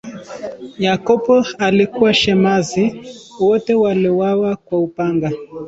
Yakobo alikuwa shemasi, wote waliuawa kwa upanga.